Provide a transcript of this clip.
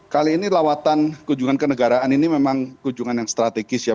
kali ini lawatan kunjungan kenegaraan ini memang kunjungan yang strategis ya